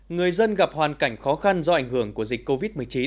người dân gặp hoàn cảnh khó khăn do ảnh hưởng của dịch covid một mươi chín